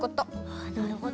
あなるほど。